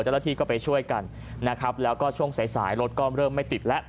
เจ้าหน้าที่ก็ไปช่วยกันนะครับแล้วก็ช่วงสายสายรถก็เริ่มไม่ติดแล้ว